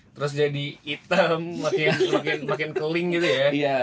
terus jadi hitam makin keling gitu ya